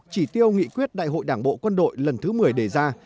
chỉ tiêu nghị quyết đại hội đảng bộ quân đội lần thứ một mươi đề ra